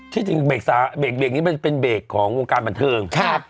ที่จริงเบรกนี้มันเป็นเบรกของวงการบันเทิง